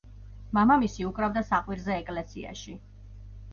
მამამისი უკრავდა საყვირზე ეკლესიაში.